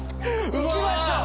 いきましょう！